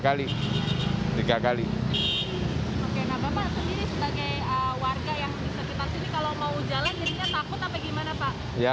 oke nah bapak sendiri sebagai warga yang di sekitar sini kalau mau jalan jadinya takut atau gimana pak